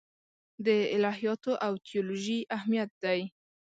د الهیاتو او تیولوژي اهمیت دی.